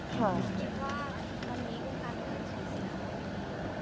คิดว่าตอนนี้คุณการเลือกชีวิตอยู่ไหน